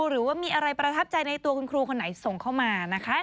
หรือว่ามีอะไรประทับใจในตัวคุณครูคนไหนส่งเข้ามานะคะ